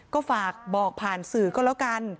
ก็ฝากบอกผ่านสื่อก็แล้วกัน